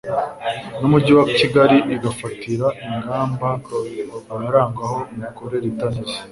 n Umujyi wa Kigali igafatira ingamba abarangwaho imikorere itanoze